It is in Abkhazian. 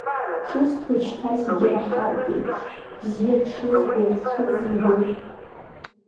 Ҿысҭуеит шьҭа зегьы ираҳартәеиԥш, бзиа дшызбо цәырзымгои!